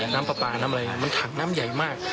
น้ำปลาน้ำอะไรมันถังน้ำใหญ่มาก